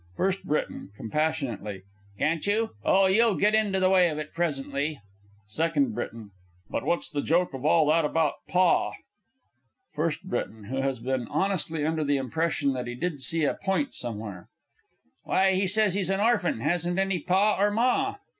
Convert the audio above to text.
FIRST B. (compassionately). Can't you? Oh, you'll get into the way of it presently. SECOND B. But what's the joke of all that about "Pa"? FIRST B. (who has been honestly under the impression that he did see a point somewhere). Why, he says he's an orphan hasn't any Pa nor Ma.